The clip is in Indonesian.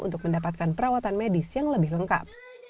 untuk mendapatkan perawatan medis yang lebih lengkap